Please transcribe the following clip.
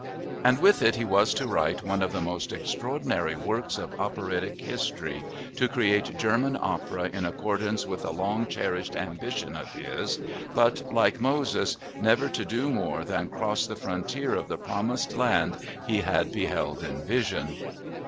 And with it he was to write one of the most extraordinary works of operatic history, to create German opera in accordance with a long cherished ambition of his but, like Moses, never to do more than cross the frontier of the promised land he had beheld in vision.